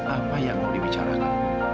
apa yang mau dibicarakan